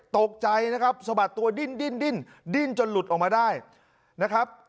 ตกใจนะครับสะบัดตัวดิ้นดิ้นจนหลุดออกมาได้นะครับ